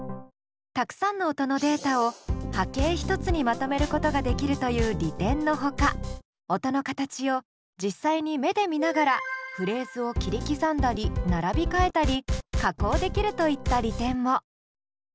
たくさんの音のデータを波形１つにまとめることができるという利点のほか音の形を実際に目で見ながらフレーズを切り刻んだり並び替えたり加工できるといった利点も。